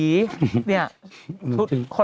มันมีทุกสีเนี่ย